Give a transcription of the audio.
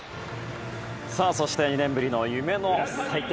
そして２年ぶりの夢の祭典